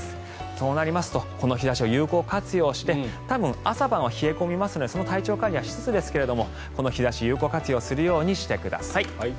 そうなりますとこの日差しを有効活用して多分、朝晩は冷え込みますので体調管理はしつつですがこの日差しを有効活用するようにしてください。